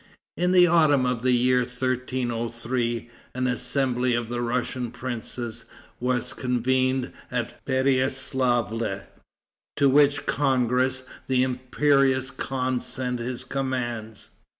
In the autumn of the year 1303 an assembly of the Russian princes was convened at Pereiaslavle, to which congress the imperious khan sent his commands.